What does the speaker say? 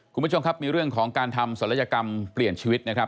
คุณผู้ชมครับมีเรื่องของการทำศัลยกรรมเปลี่ยนชีวิตนะครับ